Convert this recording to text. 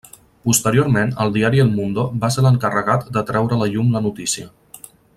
Posteriorment el diari El Mundo va ser l'encarregat de treure a la llum la notícia.